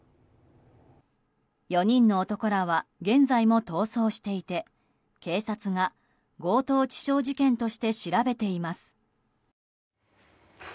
４人の男らは現在も逃走していて警察が強盗致傷事件として調べています。